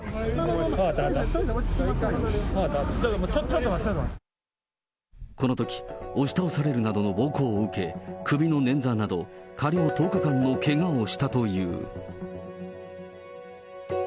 分かった、分かった、ちょっと待って、このとき、押し倒されるなどの暴行を受け、首のねん挫など、加療１０日間のけがをしたという。